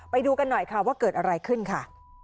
ไปดูกันหน่อยค่ะว่าเกิดอะไรขึ้นค่ะ